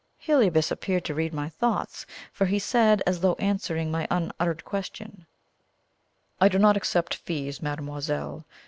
Heliobas appeared to read my thoughts, for he said, as though answering my unuttered question: "I do not accept fees, mademoiselle.